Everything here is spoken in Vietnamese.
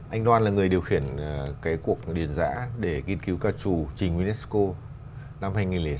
anh đoan là người điều khiển cái cuộc điền giã để nghiên cứu ca trù trình unesco năm hai nghìn tám